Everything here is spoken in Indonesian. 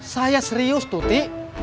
saya serius tuti